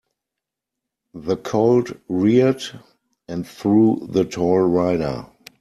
The colt reared and threw the tall rider.